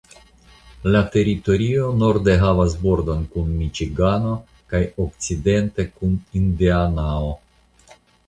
La teritorio norde havas bordon kun Miĉigano kaj okcidente kun Indianao.